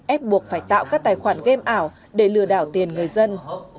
ép buộc phải tạo các tài khoản game ảo để lừa đảo tiền người dân